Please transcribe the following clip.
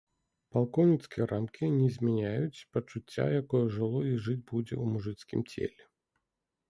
Палкоўніцкія рамкі не змяняюць пачуцця, якое жыло і жыць будзе ў мужыцкім целе.